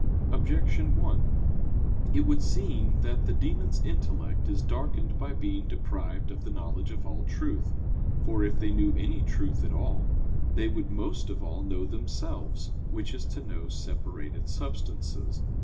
Objection 1: It would seem that the demons' intellect is darkened by being deprived of the knowledge of all truth. For if they knew any truth at all, they would most of all know themselves; which is to know separated substances.